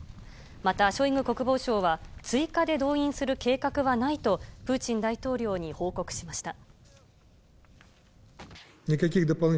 また、ショイグ国防相は、追加で動員する計画はないと、プーチン大統領に報告しました。